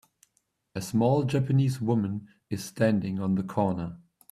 A small Japanese woman is standing on the corner.